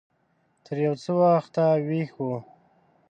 تر يو څه وخته ويښ و.